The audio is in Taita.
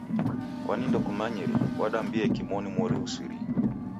Kwani ndokumanyire? Wadambie kimonu mori ghusirie